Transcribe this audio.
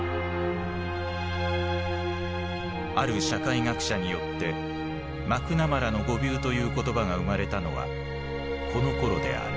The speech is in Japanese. ある社会学者によって「マクナマラの誤謬」という言葉が生まれたのはこのころである。